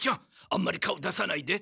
あんまり顔出さないで。